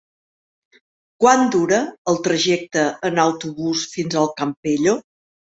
Quant dura el trajecte en autobús fins al Campello?